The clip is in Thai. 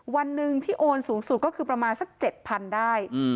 วันหนึ่งที่โอนสูงสุดก็คือประมาณสัก๗๐๐๐ได้